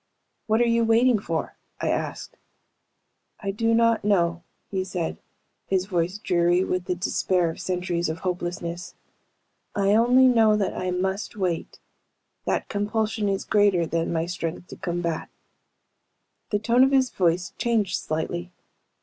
"What are you waiting for?" I asked. "I do not know," he said, his voice dreary with the despair of centuries of hopelessness. "I only know that I must wait that compulsion is greater than my strength to combat." The tone of his voice changed slightly.